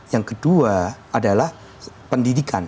yang kedua adalah pendidikan